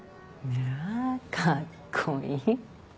まあかっこいい。